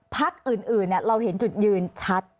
พักอื่นเราเห็นจุดยืนชัด